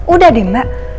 udah deh mbak